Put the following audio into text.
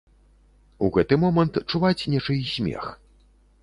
У гэты момант чуваць нечый смех.